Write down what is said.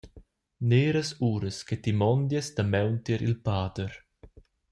Neras uras che ti mondies damaun tier il pader.